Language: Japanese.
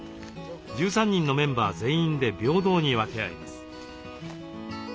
１３人のメンバー全員で平等に分け合います。